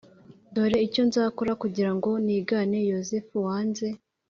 Dore icyo nzakora kugira ngo nigane yozefu wanze